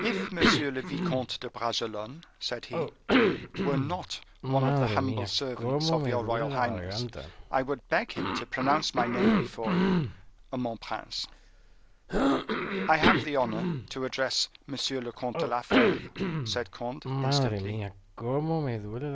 "If M. le Vicomte de Bragelonne," said he, "were not one of the humble servants of your royal highness, I would beg him to pronounce my name before you—mon prince." "I have the honor to address Monsieur le Comte de la Fere," said Conde, instantly.